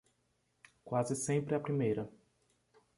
Quase sempre é a primeira.